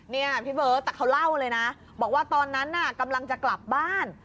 เนี่ยพี่เบิร์ตแต่เขาเล่าเลยนะบอกว่าตอนนั้นน่ะกำลังจะกลับบ้าน